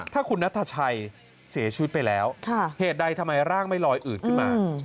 ถ้าคุณนัทชัยเสียชีวิตไปแล้วเหตุใดทำไมร่างไม่ลอยอืดขึ้นมา